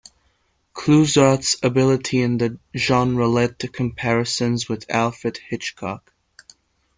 Clouzot's ability in the genre led to comparisons with Alfred Hitchcock.